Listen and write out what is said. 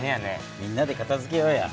みんなでかたづけようや。